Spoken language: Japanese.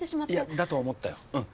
いやだと思ったようん。